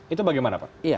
itu bagaimana pak